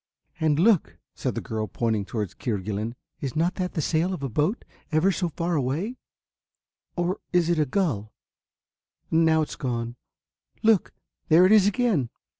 "And look," said the girl, pointing towards Kerguelen. "Is not that the sail of a boat, away ever so far or is it a gull? Now it's gone. Look, there it is again."